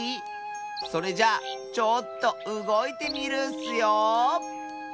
それじゃあちょっとうごいてみるッスよ。